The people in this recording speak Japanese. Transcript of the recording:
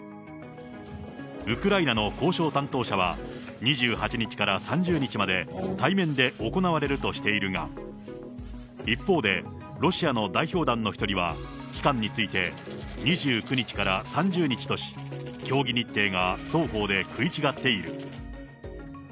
ウクライナの交渉担当者は、２８日から３０日まで、対面で行われるとしているが、一方で、ロシアの代表団の一人は、期間について、２９日から３０日とし、協議日程が双方で食い違っている。